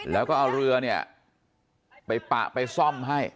แล้วก็เอาเรือเนี่ยไปปะไปซ่อมให้